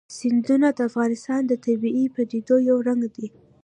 سیندونه د افغانستان د طبیعي پدیدو یو رنګ دی.